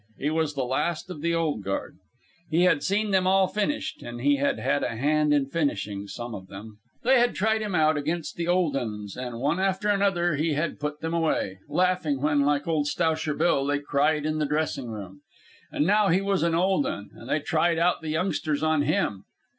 He was the last of the old guard. He had seen them all finished, and he had had a hand in finishing some of them. They had tried him out against the old uns, and one after another he had put them away laughing when, like old Stowsher Bill, they cried in the dressing room. And now he was an old un, and they tried out the youngsters on him.